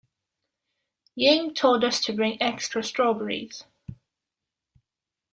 Ying told us to bring extra strawberries.